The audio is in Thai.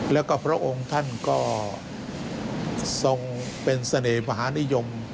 แล้วก็พระองค์ท่านก็ทรงเป็นเสน่หมหานิยม